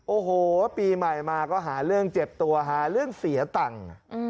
โอ้โหปีใหม่มาก็หาเรื่องเจ็บตัวหาเรื่องเสียตังค์